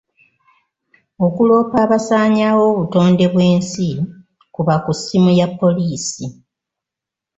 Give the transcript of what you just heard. Okuloopa abasaanyaawo obutonde bw'ensi, kuba ku ssimu ya poliisi.